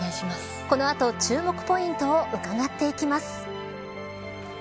この後、注目ポイントを伺っていきます。